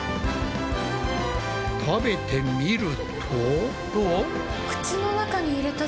食べてみると。